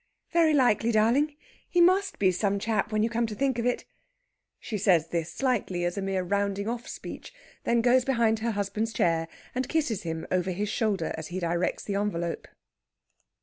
'" "Very likely, darling! He must be some chap, when you come to think of it." She says this slightly, as a mere rounding off speech. Then goes behind her husband's chair and kisses him over his shoulder as he directs the envelope.